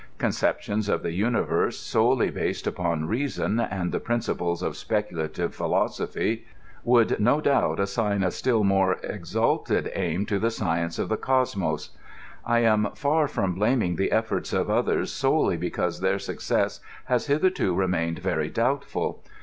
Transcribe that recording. Con ceptions of the universe solely based upon reason, and the principles of speculative philosophy, would no doubt assign a still more exalted aim to the science of the Cosmos. I am far from blaming the eflbrts of others solely because their success has hitherto remained very doubtful.